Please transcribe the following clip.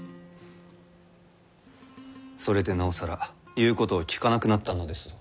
それでなおさら言うことを聞かなくなったのですぞ。